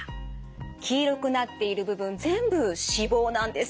黄色くなっている部分全部脂肪なんです。